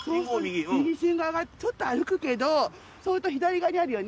ちょっと歩くけどそうすると左側にあるよね。